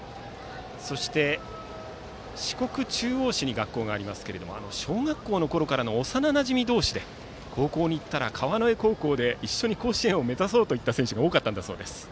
そして、四国中央市に学校がありますが小学校のころからの幼なじみ同士で高校に行ったら川之江高校で一緒に甲子園を目指そうという選手が多かったそうです。